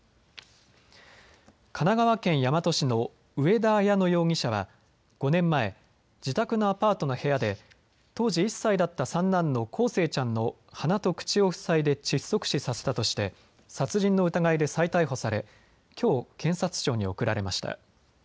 神奈川県大和市の上田綾乃容疑者は５年前、自宅のアパートの部屋で当時１歳だった三男の康生ちゃんの鼻と口を塞いで窒息死させたとして殺人の疑いで再逮捕されきょう検察庁に送られました。